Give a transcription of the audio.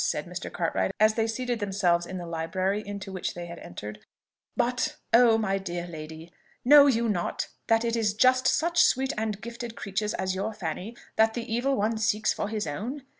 said Mr. Cartwright, as they seated themselves in the library, into which they had entered. "But, oh! my dear lady! know you not that it is just such sweet and gifted creatures as your Fanny that the Evil One seeks for his own?